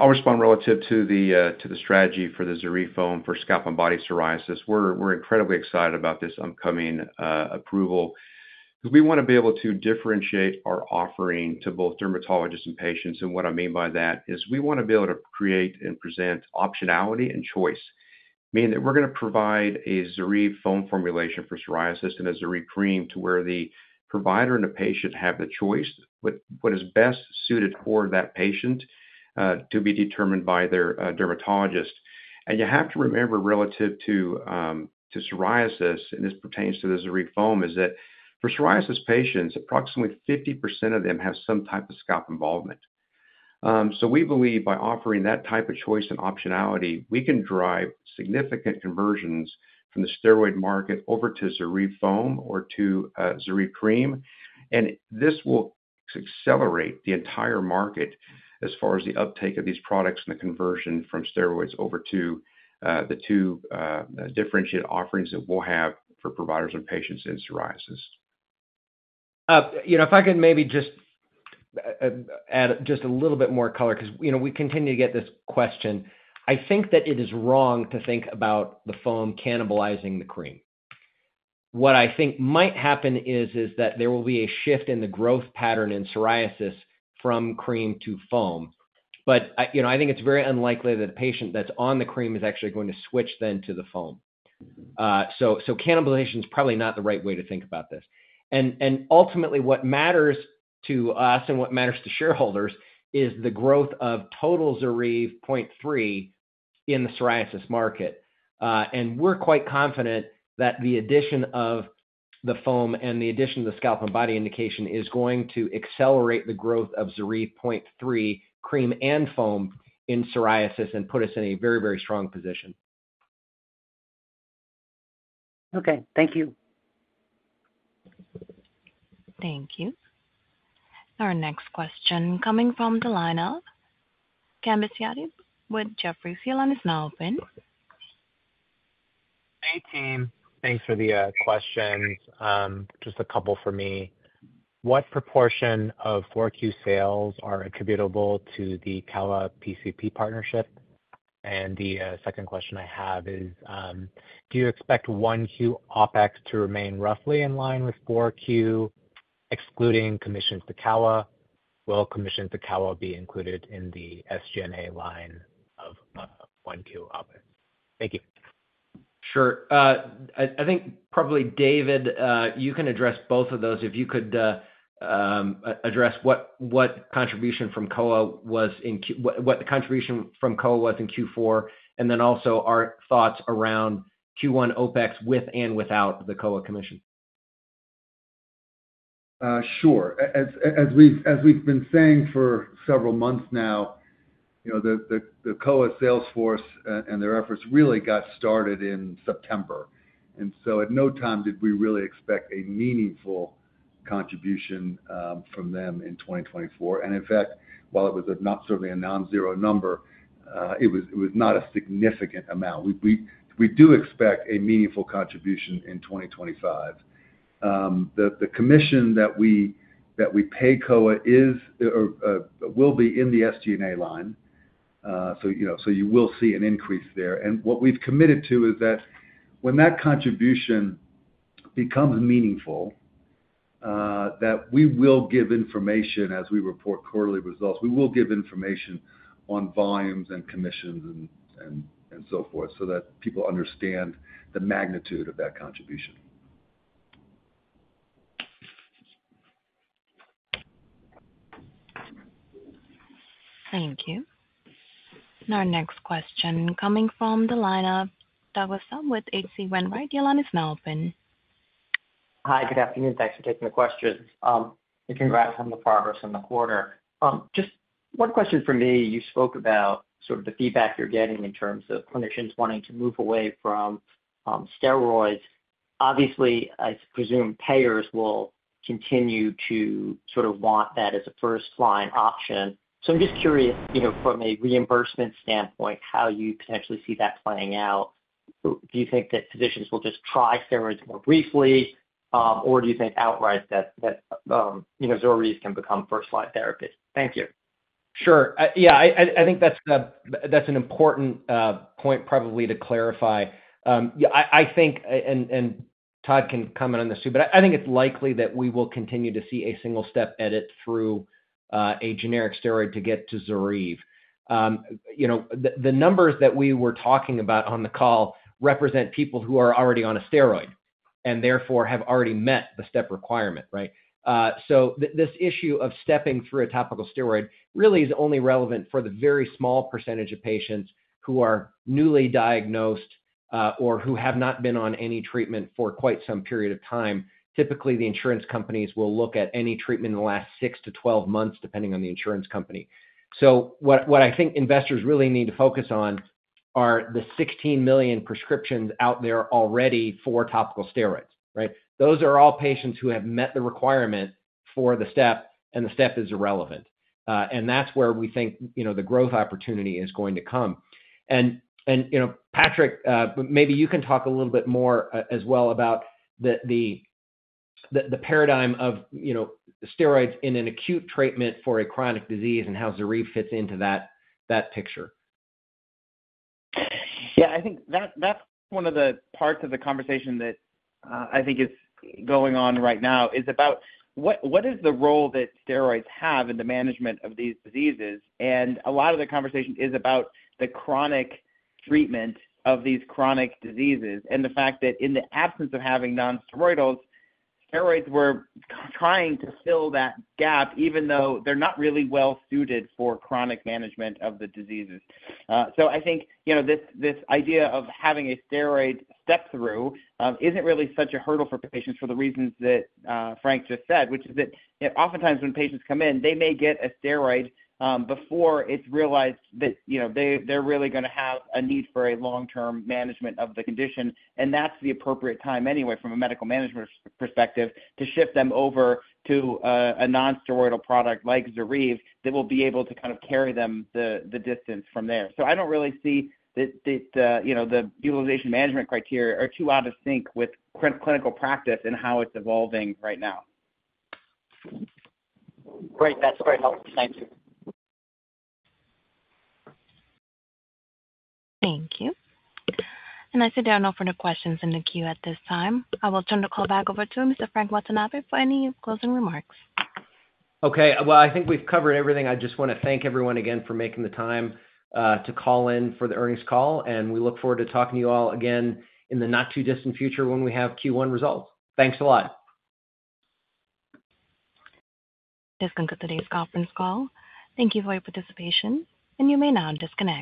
respond relative to the strategy for the ZORYVE foam for scalp and body psoriasis. We're incredibly excited about this upcoming approval because we want to be able to differentiate our offering to both dermatologists and patients. And what I mean by that is we want to be able to create and present optionality and choice, meaning that we're going to provide a ZORYVE foam formulation for psoriasis and a ZORYVE cream to where the provider and the patient have the choice, but what is best suited for that patient to be determined by their dermatologist. And you have to remember relative to psoriasis, and this pertains to the ZORYVE foam, is that for psoriasis patients, approximately 50% of them have some type of scalp involvement. So we believe by offering that type of choice and optionality, we can drive significant conversions from the steroid market over to ZORYVE foam or to ZORYVE cream. And this will accelerate the entire market as far as the uptake of these products and the conversion from steroids over to the two differentiated offerings that we'll have for providers and patients in psoriasis. If I can maybe just add just a little bit more color because we continue to get this question, I think that it is wrong to think about the foam cannibalizing the cream. What I think might happen is that there will be a shift in the growth pattern in psoriasis from cream to foam. But I think it's very unlikely that a patient that's on the cream is actually going to switch then to the foam. So cannibalization is probably not the right way to think about this. And ultimately, what matters to us and what matters to shareholders is the growth of total ZORYVE 0.3% in the psoriasis market. And we're quite confident that the addition of the foam and the addition of the scalp and body indication is going to accelerate the growth of ZORYVE 0.3% cream and foam in psoriasis and put us in a very, very strong position. Okay. Thank you. Thank you. Our next question coming from the line of Kambiz Yazdi with Jefferies. Your line is now open? Hey, team. Thanks for the questions. Just a couple for me. What proportion of 4Q sales are attributable to the Kowa co-op partnership? And the second question I have is, do you expect 1Q OpEx to remain roughly in line with 4Q, excluding commissions to Kowa? Will commissions to Kowa be included in the SG&A line of 1Q OpEx? Thank you. Sure. I think probably David, you can address both of those if you could address what contribution from Kowa was in what the contribution from Kowa was in Q4, and then also our thoughts around Q1 OpEx with and without the Kowa commission. Sure. As we've been saying for several months now, the Kowa sales force and their efforts really got started in September, and so at no time did we really expect a meaningful contribution from them in 2024, and in fact, while it was not certainly a non-zero number, it was not a significant amount. We do expect a meaningful contribution in 2025. The commission that we pay Kowa will be in the SG&A line. So you will see an increase there, and what we've committed to is that when that contribution becomes meaningful, that we will give information as we report quarterly results. We will give information on volumes and commissions and so forth so that people understand the magnitude of that contribution. Thank you. Our next question coming from the line of Douglas Tsao with H.C. Wainwright. Your line is now open. Hi. Good afternoon. Thanks for taking the question. And congrats on the progress in the quarter. Just one question for me. You spoke about sort of the feedback you're getting in terms of clinicians wanting to move away from steroids. Obviously, I presume payers will continue to sort of want that as a first-line option. So I'm just curious from a reimbursement standpoint, how you potentially see that playing out. Do you think that physicians will just try steroids more briefly, or do you think outright that ZORYVE can become first-line therapy? Thank you. Sure. Yeah. I think that's an important point probably to clarify. I think, and Todd can comment on this too, but I think it's likely that we will continue to see a single-step edit through a generic steroid to get to ZORYVE. The numbers that we were talking about on the call represent people who are already on a steroid and therefore have already met the step requirement, right? So this issue of stepping through a topical steroid really is only relevant for the very small percentage of patients who are newly diagnosed or who have not been on any treatment for quite some period of time. Typically, the insurance companies will look at any treatment in the last 6-12 months, depending on the insurance company. So what I think investors really need to focus on are the 16 million prescriptions out there already for topical steroids, right? Those are all patients who have met the requirement for the step, and the step is irrelevant. And that's where we think the growth opportunity is going to come. And Patrick, maybe you can talk a little bit more as well about the paradigm of steroids in an acute treatment for a chronic disease and how ZORYVE fits into that picture. Yeah. I think that's one of the parts of the conversation that I think is going on right now is about what is the role that steroids have in the management of these diseases. And a lot of the conversation is about the chronic treatment of these chronic diseases and the fact that in the absence of having non-steroidals, steroids were trying to fill that gap, even though they're not really well-suited for chronic management of the diseases. So I think this idea of having a steroid step-through isn't really such a hurdle for patients for the reasons that Frank just said, which is that oftentimes when patients come in, they may get a steroid before it's realized that they're really going to have a need for a long-term management of the condition. And that's the appropriate time anyway from a medical management perspective to shift them over to a non-steroidal product like ZORYVE that will be able to kind of carry them the distance from there. So I don't really see that the utilization management criteria are too out of sync with clinical practice and how it's evolving right now. Great. That's very helpful. Thank you. Thank you. And I see there are no further questions in the queue at this time. I will turn the call back over to Mr. Frank Watanabe for any closing remarks. Okay, well, I think we've covered everything. I just want to thank everyone again for making the time to call in for the earnings call, and we look forward to talking to you all again in the not-too-distant future when we have Q1 results. Thanks a lot. This concludes today's conference call. Thank you for your participation, and you may now disconnect.